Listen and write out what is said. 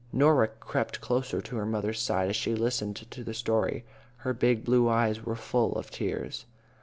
Norah crept close to her mother's side as she listened to the story. Her big blue eyes were full of tears.